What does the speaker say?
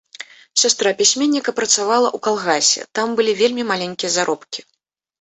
Сястра пісьменніка працавала ў калгасе, там былі вельмі маленькія заробкі.